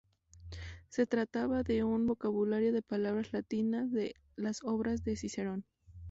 Se trataba de un vocabulario de palabras latinas de las obras de Cicerón.